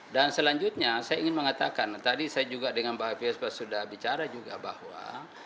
dan selanjutnya saya ingin mengatakan tadi saya juga dengan mbak fihas sudah bicara juga bahwa